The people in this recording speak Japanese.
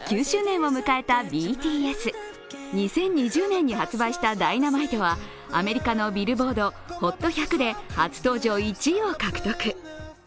２０２０年に発売した「Ｄｙｎａｍｉｔｅ」はアメリカのビルボードＨＯＴ１００で初登場１位を獲得。